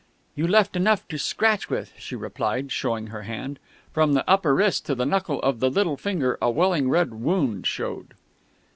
"You left enough to scratch with," she replied, showing her hand. From the upper wrist to the knuckle of the little finger a welling red wound showed.